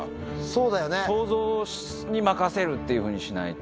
想像に任せるっていうふうにしないと。